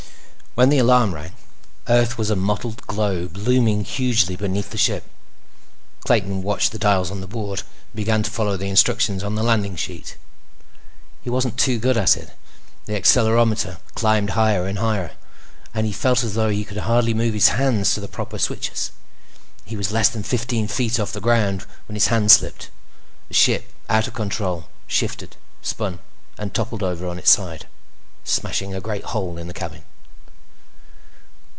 When the alarm rang, Earth was a mottled globe looming hugely beneath the ship. Clayton watched the dials on the board, and began to follow the instructions on the landing sheet. He wasn't too good at it. The accelerometer climbed higher and higher, and he felt as though he could hardly move his hands to the proper switches. He was less than fifteen feet off the ground when his hand slipped. The ship, out of control, shifted, spun, and toppled over on its side, smashing a great hole in the cabin.